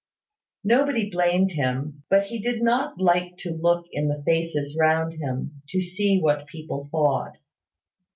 Nobody blamed him; but he did not like to look in the faces round him, to see what people thought.